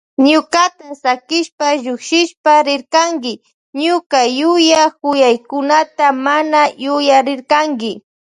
Ñukata sakishpa llukshishpa rirkanki ñuka yuya yuyaykunata mana yuyarirkanki.